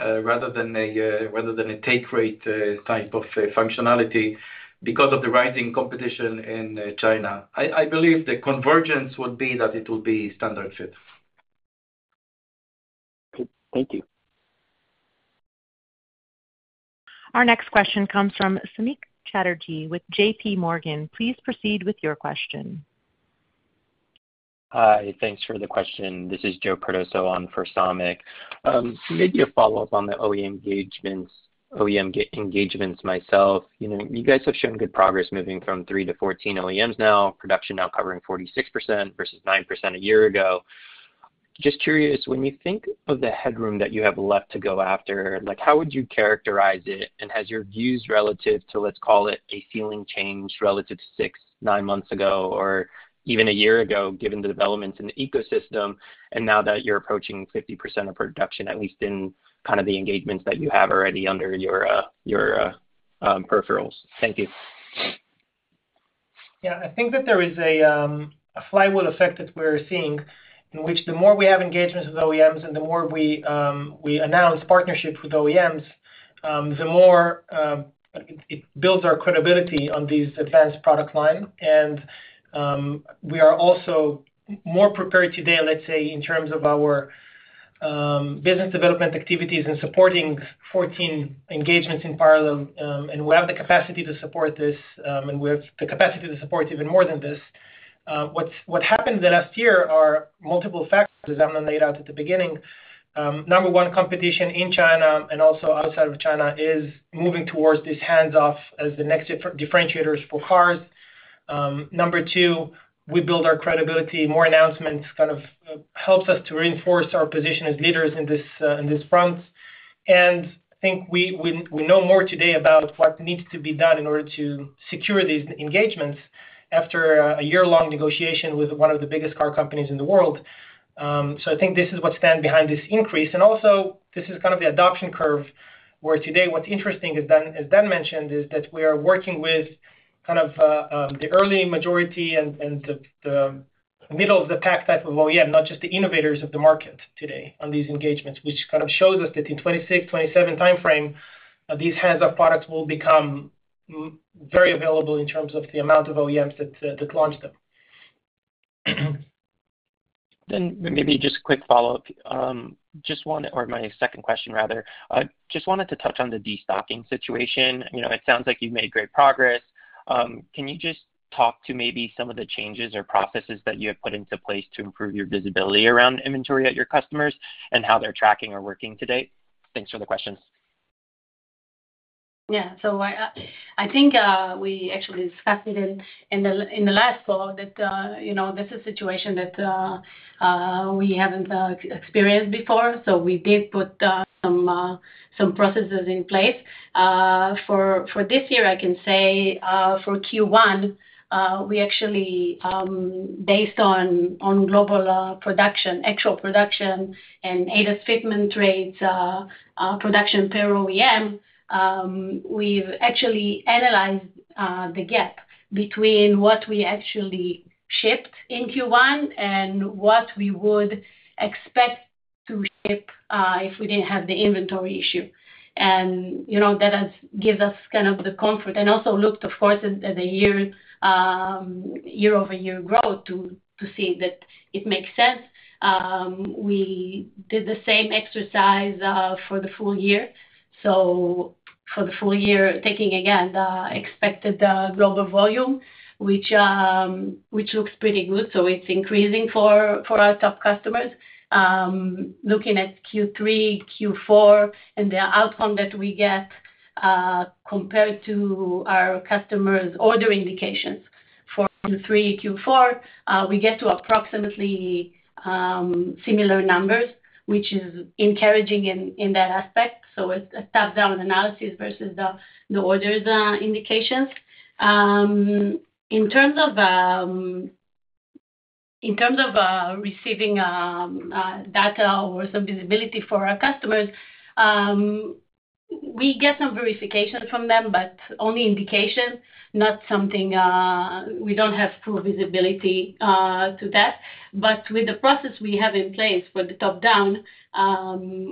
rather than a take rate type of functionality because of the rising competition in China. I believe the convergence would be that it will be standard fit. Good. Thank you. Our next question comes from Sameek Chatterjee with JPMorgan. Please proceed with your question. Hi, thanks for the question. This is Joe Cardoso on for Sameek. Maybe a follow-up on the OEM engagements myself. You know, you guys have shown good progress moving from three to 14 OEMs now, production now covering 46% versus 9% a year ago. Just curious, when you think of the headroom that you have left to go after, like, how would you characterize it? And has your views relative to, let's call it, a ceiling change relative to six, nine months ago, or even a year ago, given the developments in the ecosystem, and now that you're approaching 50% of production, at least in kind of the engagements that you have already under your peripherals? Thank you. Yeah, I think that there is a flywheel effect that we're seeing, in which the more we have engagements with OEMs and the more we announce partnerships with OEMs, the more it builds our credibility on these advanced product line. And we are also more prepared today, let's say, in terms of our business development activities in supporting 14 engagements in parallel. And we have the capacity to support this, and we have the capacity to support even more than this. What happened in the last year are multiple factors that I laid out at the beginning. Number one, competition in China and also outside of China is moving towards this hands-off as the next differentiators for cars. Number two, we build our credibility. More announcements kind of helps us to reinforce our position as leaders in this fronts. And I think we know more today about what needs to be done in order to secure these engagements after a year-long negotiation with one of the biggest car companies in the world. So I think this is what stand behind this increase. And also, this is kind of the adoption curve, where today, what's interesting, as Ben mentioned, is that we are working with kind of the early majority and the middle of the pack type of OEM, not just the innovators of the market today on these engagements. Which kind of shows us that in 2026-2027 timeframe, these hands-off products will become very available in terms of the amount of OEMs that launch them. Maybe just a quick follow-up. Just one, or my second question rather, I just wanted to touch on the destocking situation. You know, it sounds like you've made great progress. Can you just talk to maybe some of the changes or processes that you have put into place to improve your visibility around inventory at your customers, and how they're tracking or working to date? Thanks for the questions. Yeah. So I think we actually discussed it in the last call, that you know, this is a situation that we haven't experienced before, so we did put some processes in place. For this year, I can say, for Q1, we actually based on global production, actual production and ADAS fitment rates, production per OEM, we've actually analyzed the gap between what we actually shipped in Q1 and what we would expect to ship if we didn't have the inventory issue. And you know, that has give us kind of the comfort, and also looked, of course, at the year year-over-year growth to see that it makes sense. We did the same exercise for the full-year. So for the full-year, taking again the expected global volume, which looks pretty good, so it's increasing for our top customers. Looking at Q3, Q4, and the outcome that we get compared to our customers' order indications for Q3, Q4, we get to approximately similar numbers, which is encouraging in that aspect, so a top-down analysis versus the orders indications. In terms of receiving data or some visibility for our customers, we get some verification from them, but only indication, not something we don't have full visibility to that. But with the process we have in place for the top-down,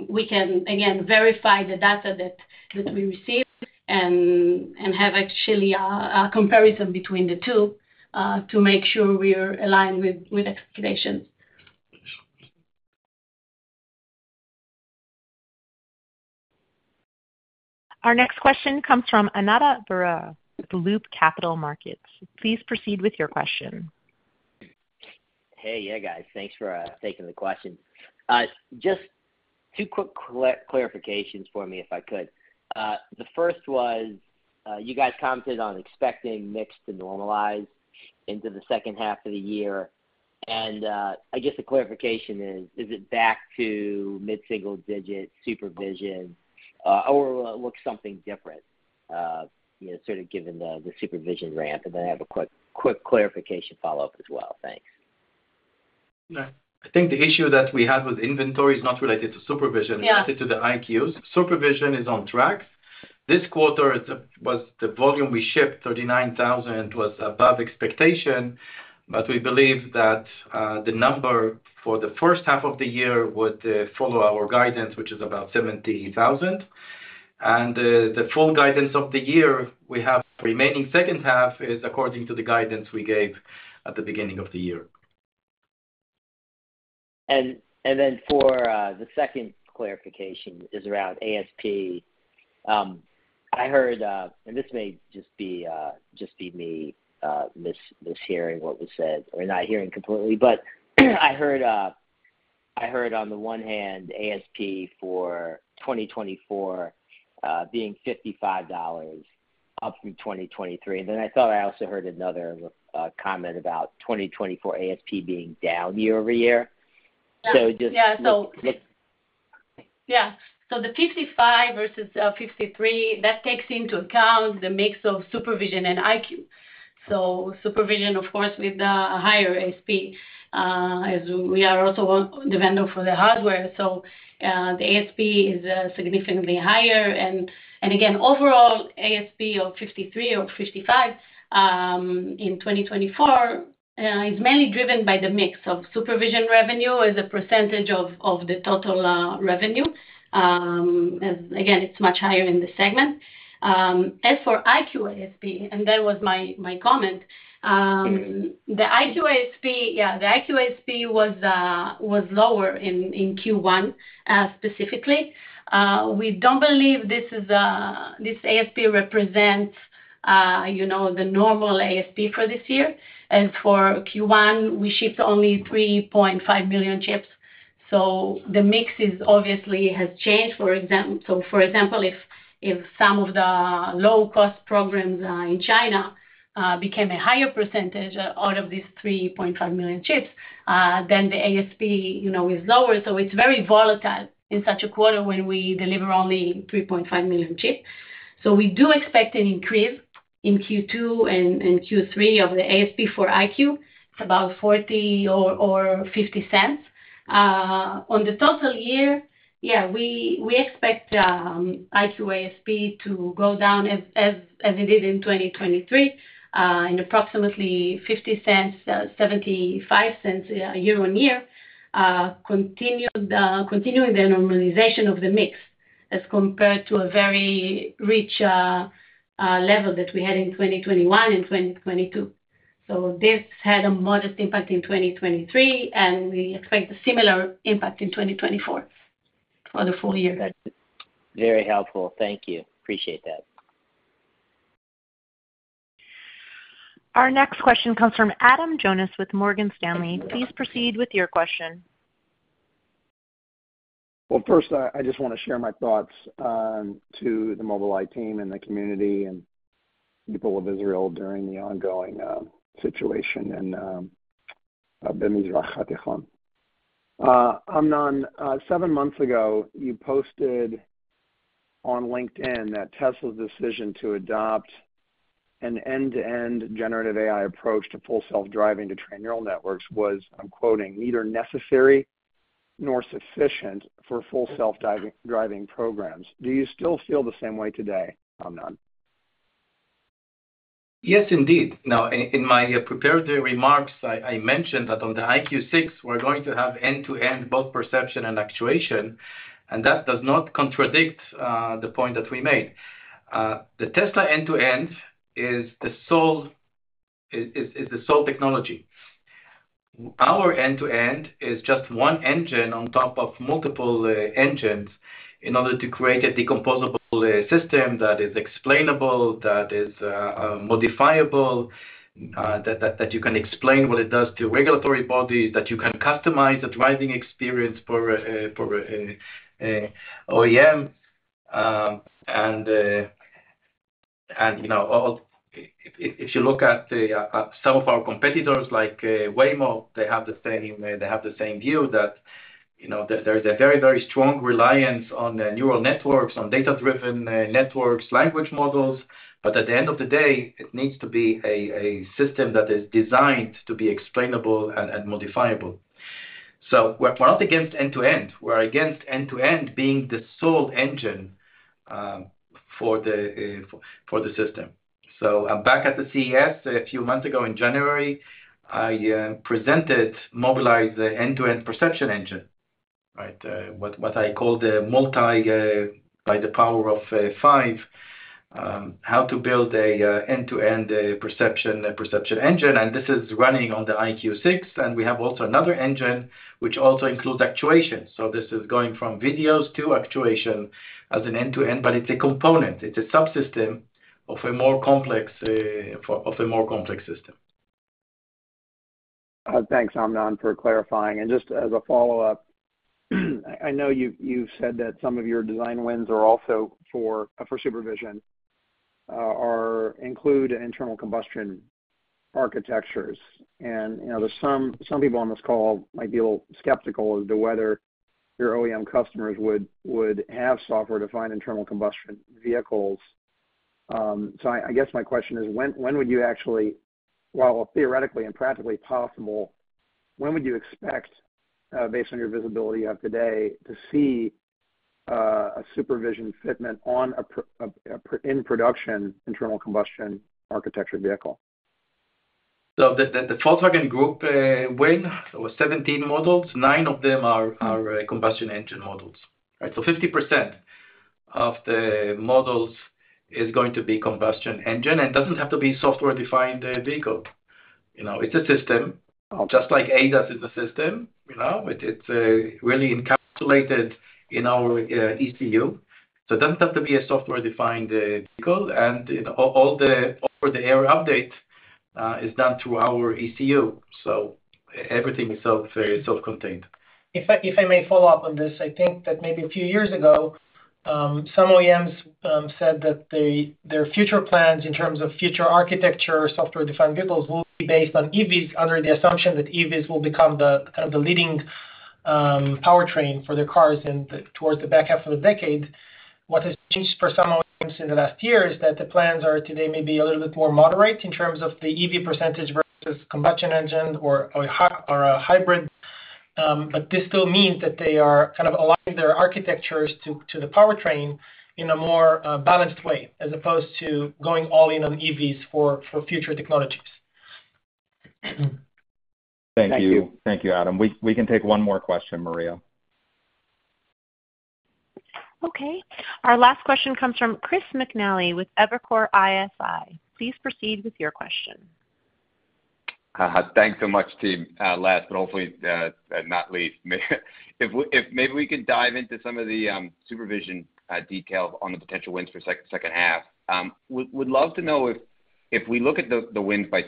we can again verify the data that we receive and have actually a comparison between the two, to make sure we're aligned with expectations. Our next question comes from Ananda Baruah with Loop Capital Markets. Please proceed with your question. Hey. Yeah, guys, thanks for taking the question. Just two quick clarifications for me, if I could. The first was, you guys commented on expecting mix to normalize into the second half of the year, and, I guess the clarification is: Is it back to mid-single digit supervision, or will it look something different, you know, sort of given the supervision ramp? And then I have a quick clarification follow-up as well. Thanks. Yeah. I think the issue that we have with inventory is not related to supervision Yeah It's related to the EyeQs. Supervision is on track. This quarter was the volume we shipped, 39,000, was above expectation, but we believe that the number for the first half of the year would follow our guidance, which is about 70,000. And the full guidance of the year, we have remaining second half, is according to the guidance we gave at the beginning of the year. And then for the second clarification is around ASP. I heard, and this may just be just be me mishearing what was said or not hearing completely, but I heard on the one hand, ASP for 2024 being $55 up from 2023, and then I thought I also heard another comment about 2024 ASP being down year-over-year. So just- Yeah, so the 55 versus 53, that takes into account the mix of supervision and EyeQ. So supervision, of course, with the higher ASP, as we are also the vendor for the hardware, so the ASP is significantly higher. And again, overall, ASP of 53 or 55 in 2024 is mainly driven by the mix of supervision revenue as a percentage of the total revenue. As again, it's much higher in the segment. As for EyeQ ASP, and that was my comment, the EyeQ ASP, yeah, the EyeQ ASP was lower in Q1 specifically. We don't believe this ASP represents, you know, the normal ASP for this year. For Q1, we shipped only 3.5 million chips, so the mix is obviously has changed. So for example, if some of the low-cost programs in China became a higher percentage out of these 3.5 million chips, then the ASP, you know, is lower. So it's very volatile in such a quarter when we deliver only 3.5 million chips. So we do expect an increase in Q2 and Q3 of the ASP for EyeQ. It's about $0.40 or $0.50 cents. On the total year, yeah, we, we expect EyeQ ASP to go down as it did in 2023, in approximately $0.50-$0.75 year-over-year, continuing the normalization of the mix, as compared to a very rich level that we had in 2021 and 2022. So this had a modest impact in 2023, and we expect a similar impact in 2024 for the full-year. Very helpful. Thank you. Appreciate that. Our next question comes from Adam Jonas with Morgan Stanley. Please proceed with your question. Well, first, I just want to share my thoughts to the Mobileye team and the community and people of Israel during the ongoing situation, and Amnon, seven months ago, you posted on LinkedIn that Tesla's decision to adopt an end-to-end generative AI approach to full self-driving to train neural networks was, I'm quoting, "Neither necessary nor sufficient for full self-driving, driving programs." Do you still feel the same way today, Amnon? Yes, indeed. Now, in my prepared remarks, I mentioned that on the EyeQ6, we're going to have end-to-end, both perception and actuation, and that does not contradict the point that we made. The Tesla end to end is the sole is the sole technology. Our end to end is just one engine on top of multiple engines in order to create a decomposable system that is explainable, that is modifiable, that you can explain what it does to regulatory bodies, that you can customize the driving experience for a OEM. And, you know, all, if you look at the, at some of our competitors, like, Waymo, they have the same, they have the same view that, you know, there, there's a very, very strong reliance on the neural networks, on data-driven, networks, language models, but at the end of the day, it needs to be a, a system that is designed to be explainable and, and modifiable. So we're not against end to end. We're against end to end being the sole engine, for the, for, for the system. So back at the CES, a few months ago, in January, I, presented Mobileye's end-to-end perception engine, right? What I call the multi by the power of five, how to build a end-to-end perception, a perception engine, and this is running on the EyeQ6, and we have also another engine, which also includes actuation. So this is going from videos to actuation as an end-to-end, but it's a component. It's a subsystem of a more complex system. Thanks, Amnon, for clarifying. Just as a follow-up, I know you, you've said that some of your design wins are also for supervision and include internal combustion architectures. You know, there's some people on this call might be a little skeptical as to whether your OEM customers would have software-defined internal combustion vehicles. So, I guess my question is, while theoretically and practically possible, when would you expect, based on your visibility of today, to see a supervision fitment on a production internal combustion architecture vehicle? So the Volkswagen Group win was 17 models. Nine of them are combustion engine models, right? So 50% of the models is going to be combustion engine, and doesn't have to be software-defined vehicle. You know, it's a system, just like ADAS is a system, you know? It's really encapsulated in our ECU. So it doesn't have to be a software-defined vehicle, and you know, all the over-the-air update is done through our ECU. So everything is self-contained. If I, if I may follow up on this, I think that maybe a few years ago, some OEMs said that their future plans in terms of future architecture, software-defined vehicles, will be based on EVs, under the assumption that EVs will become the, kind of, the leading powertrain for their cars in the towards the back half of the decade. What has changed for some OEMs in the last year is that the plans are today maybe a little bit more moderate in terms of the EV percentage versus combustion engine or hybrid. But this still means that they are kind of aligning their architectures to the powertrain in a more balanced way, as opposed to going all in on EVs for future technologies. Thank you. Thank you, Adam. We can take one more question, Maria. Okay. Our last question comes from Chris McNally with Evercore ISI. Please proceed with your question. Hi, thanks so much, team. Last, but hopefully not least, if maybe we could dive into some of the supervision details on the potential wins for second half. Would love to know if, if we look at the wins by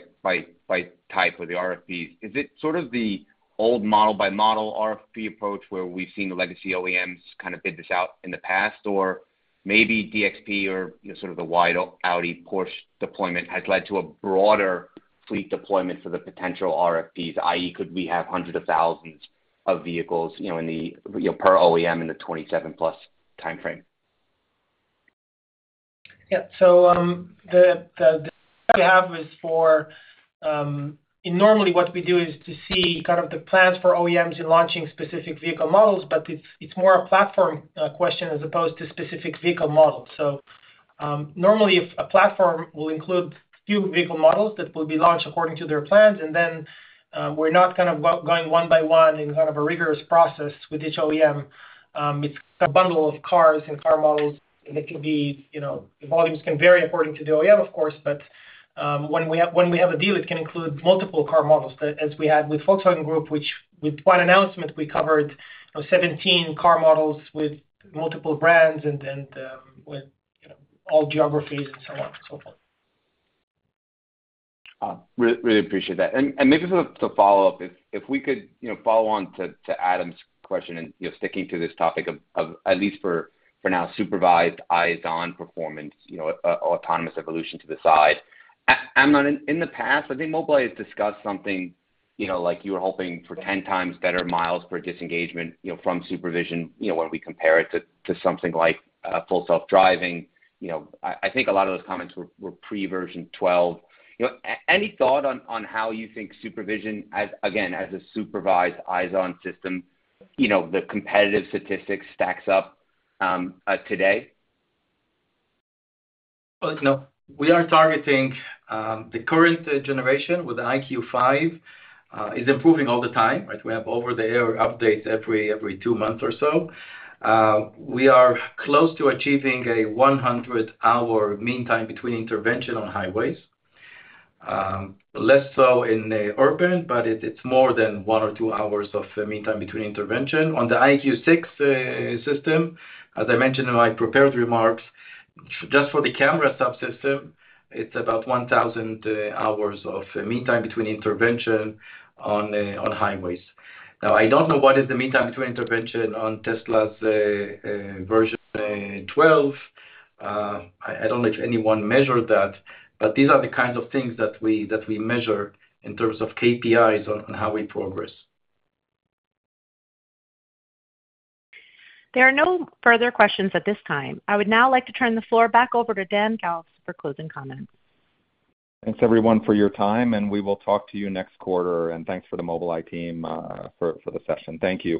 type or the RFPs, is it sort of the old model-by-model RFP approach, where we've seen the legacy OEMs kind of bid this out in the past? Or maybe DXP or, you know, sort of the wide Audi, Porsche deployment has led to a broader fleet deployment for the potential RFPs, i.e., could we have hundreds of thousands of vehicles, you know, per OEM in the 2027 plus timeframe? Yeah. So, the way we have is for, Normally, what we do is to see kind of the plans for OEMs in launching specific vehicle models, but it's more a platform question, as opposed to specific vehicle models. So, normally, if a platform will include few vehicle models that will be launched according to their plans, and then, we're not kind of going one by one in kind of a rigorous process with each OEM. It's a bundle of cars and car models, and it can be, you know, the volumes can vary according to the OEM, of course, but when we have, when we have a deal, it can include multiple car models, as we had with Volkswagen Group, which with one announcement, we covered, you know, 17 car models with multiple brands and, and with, you know, all geographies and so on, so forth. Really appreciate that. And maybe just to follow up, if we could, you know, follow on to Adam's question, and, you know, sticking to this topic of at least for now supervised eyes-on performance, you know, autonomous evolution to the side. Amnon, in the past, I think Mobileye has discussed something, you know, like you were hoping for 10 times better miles per disengagement, you know, from supervision, you know, when we compare it to something like full self-driving. You know, I think a lot of those comments were pre-version 12. You know, any thought on how you think supervision as, again, as a supervised eyes-on system, you know, the competitive statistics stacks up today? Well, you know, we are targeting the current generation with an EyeQ5, is improving all the time, right? We have over-the-air updates every two months or so. We are close to achieving a 100-hour mean time between intervention on highways. Less so in the urban, but it's more than one or two hours of mean time between intervention. On the EyeQ6 system, as I mentioned in my prepared remarks, just for the camera subsystem, it's about 1,000 hours of mean time between intervention on highways. Now, I don't know what is the mean time between intervention on Tesla's version 12. I don't think anyone measured that. But these are the kinds of things that we measure in terms of KPIs on how we progress. There are no further questions at this time. I would now like to turn the floor back over to Dan Galves for closing comments. Thanks, everyone, for your time, and we will talk to you next quarter. Thanks for the Mobileye team for the session. Thank you.